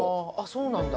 そうなんだ。